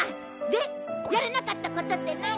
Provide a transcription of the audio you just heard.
でやれなかったことって何？